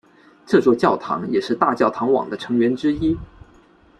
这座教堂也是大教堂网的成员之一。